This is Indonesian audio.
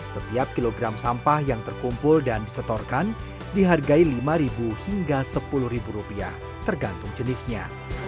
setiap kilogram sampah yang terkumpul dan disetorkan dihargai lima hingga sepuluh rupiah tergantung jenisnya